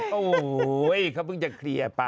โอ้โหเขาเพิ่งจะเคลียร์ไป